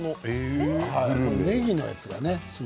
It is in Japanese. ねぎのやつがね。